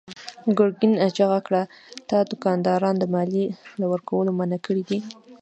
ګرګين چيغه کړه: تا دوکانداران د ماليې له ورکړې منع کړي دي.